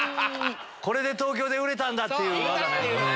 これで東京で売れたんだ！っていう技ね。